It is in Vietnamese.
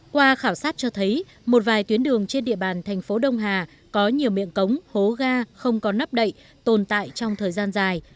qua khảo sát cho thấy một vài tuyến đường trên địa bàn thành phố đông hà có nhiều miệng cống hố ga không có nắp đậy tồn tại trong thời gian dài